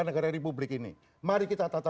negara ini publik ini mari kita tata